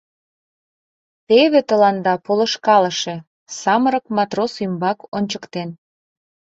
Теве тыланда — полышкалыше, — самырык матрос ӱмбак ончыктен.